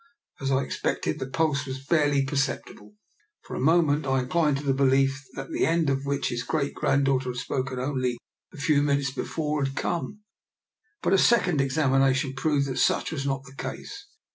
As I expected, the pulse was barely perceptible. For a moment I inclined to the belief that the end, of which his great granddaughter had spoken only a few moments before, had come, but a second examination proved that such was not the case.